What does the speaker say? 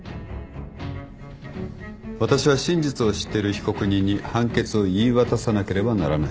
私は真実を知ってる被告人に判決を言い渡さなければならない。